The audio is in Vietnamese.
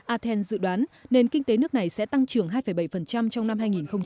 athens dự đoán nền kinh tế nước này sẽ tăng trưởng hai bảy trong năm hai nghìn hai mươi